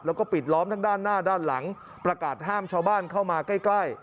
แล้วก็ปิดล้อมทั้งด้านหน้าด้านหลังประกาศห้ามชาวบ้านเข้ามาใกล้